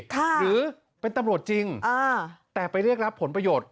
หรือเป็นตำรวจจริงแต่ไปเรียกรับผลประโยชน์